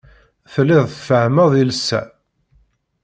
Telliḍ tfehhmeḍ iles-a.